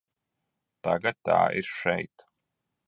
Tagad tā ir šeit.